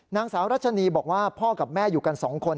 นางสาวรัชนีบอกว่าพ่อกับแม่อยู่กัน๒คน